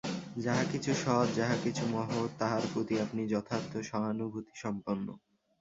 যাহা কিছু সৎ, যাহা কিছু মহৎ, তাহার প্রতি আপনি যথার্থ সহানুভূতিসম্পন্ন।